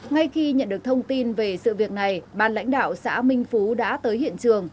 ngay khi nhận được thông tin về sự việc này ban lãnh đạo xã minh phú đã tới hiện trường